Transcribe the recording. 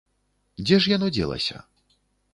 Дзе ж яно дзелася?